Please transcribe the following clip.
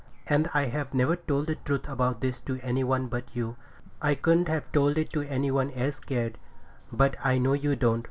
And I have never told the truth about this to any one but you. I couldn't have told it to any one as cared, but I know you don't.